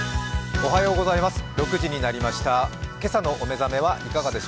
おはようございます。